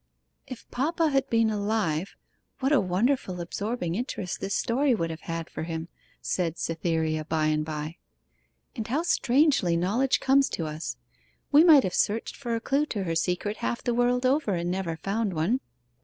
'If papa had been alive, what a wonderful absorbing interest this story would have had for him,' said Cytherea by and by. 'And how strangely knowledge comes to us. We might have searched for a clue to her secret half the world over, and never found one.